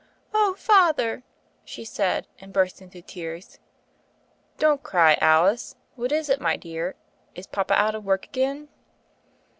*'Oh, Father!" she said, and burst into tears. *'Don't cry, Alice. What is it, my dear? Is papa out of work again?"